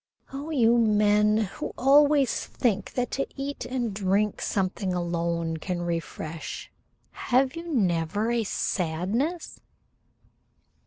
"Oh, you men, who always think that to eat and drink something alone can refresh! Have you never a sadness?"